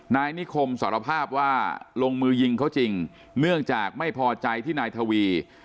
นายนิคมสารภาพว่าลงมือยิงเขาจริงเนื่องจากไม่พอใจที่นายทวี